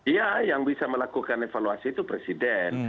ya yang bisa melakukan evaluasi itu presiden